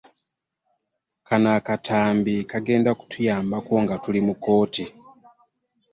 Kano akatambi kagenda kutuyamba nga tuli mu kkooti.